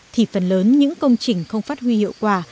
thì phần lớn những công trình không phát huy hiệu quả